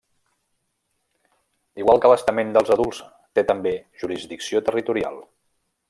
Igual que l'estament dels adults té també jurisdicció territorial.